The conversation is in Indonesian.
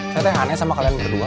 saya tanya sama kalian berdua